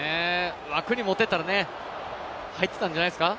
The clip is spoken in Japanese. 枠に持っていったらね、入ってたんじゃないですか？